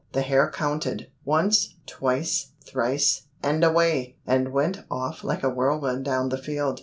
The hare counted, "Once, twice, thrice, and away!" and went off like a whirlwind down the field.